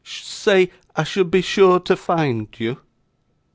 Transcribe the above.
Say I should be sure to find you.